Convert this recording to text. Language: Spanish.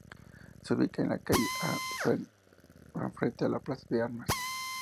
Se ubicaba en la calle A. Prat frente a la Plaza de Armas.